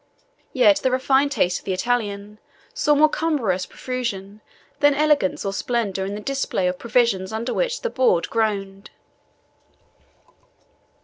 Yet the refined taste of the Italian saw more cumbrous profusion than elegance or splendour in the display of provisions under which the board groaned.